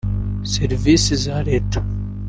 Serivisi za Leta